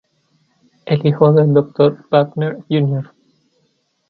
El Hijo del Dr. Wagner Jr.